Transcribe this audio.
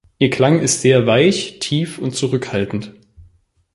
Ihr Klang ist sehr weich, tief und zurückhaltend.